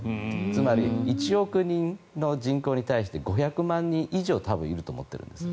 つまり、１億人の人口に対して５００万人以上多分いると思ってるんです。